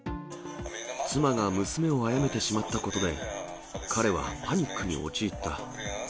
妻が娘をあやめてしまったことで、彼はパニックに陥った。